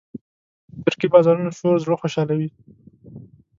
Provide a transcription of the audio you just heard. د ترکي بازارونو شور زړه خوشحالوي.